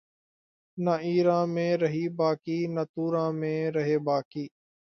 نہ ایراں میں رہے باقی نہ توراں میں رہے باقی